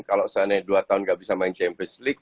kalau seandainya dua tahun nggak bisa main champions league